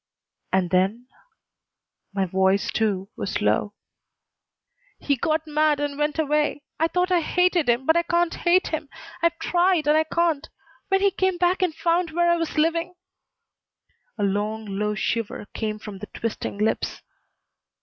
"And then " My voice, too, was low. "He got mad and went away. I thought I hated him, but I can't hate him. I've tried and I can't. When he came back and found where I was living " A long, low shiver came from the twisting lips.